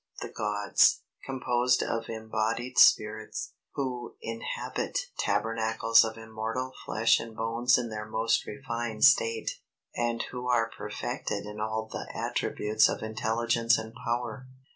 The Gods, composed of embodied spirits, who inhabit tabernacles of immortal flesh and bones in their most refined state, and who are perfected in all the attributes of intelligence and power.